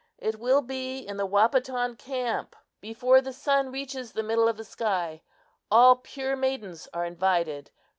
It will be in the Wahpeton camp, before the sun reaches the middle of the sky. All pure maidens are invited.